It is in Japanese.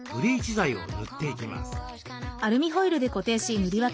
剤を塗っていきます。